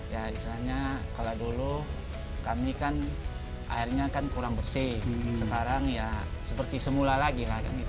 ya misalnya kalau dulu airnya kan kurang bersih sekarang ya seperti semula lagi lah kan